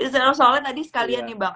senang soalnya tadi sekalian nih bang